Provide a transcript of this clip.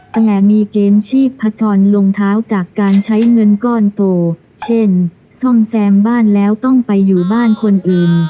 แต่มีเกมชีพจรลงเท้าจากการใช้เงินก้อนโตเช่นซ่อมแซมบ้านแล้วต้องไปอยู่บ้านคนอื่น